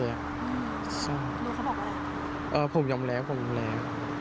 ลุงเขาบอกอะไรอย่างนี้ผมยอมแล้วผมยอมแล้ว